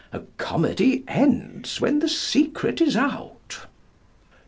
A comedy ends when the secret is out.